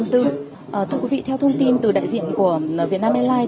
thưa quý vị theo thông tin từ đại diện của vietnam airlines